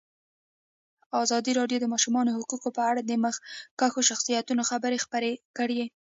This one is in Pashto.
ازادي راډیو د د ماشومانو حقونه په اړه د مخکښو شخصیتونو خبرې خپرې کړي.